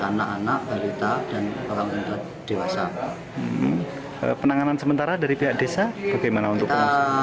anak anak berita dan orang untuk dewasa penanganan sementara dari pihak desa bagaimana untuk kita